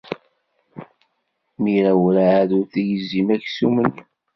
Mira werɛad ur tegzim aksum-nni.